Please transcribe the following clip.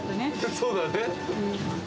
そうだね。